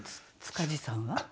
塚地さんは？